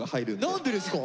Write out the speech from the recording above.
何でですか？